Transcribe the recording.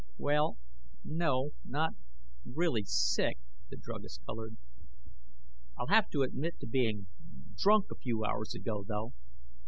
"Well no not really sick." The druggist colored. "I'll have to admit to being drunk a few hours ago, though."